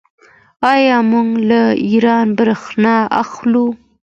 آیا موږ له ایران بریښنا اخلو؟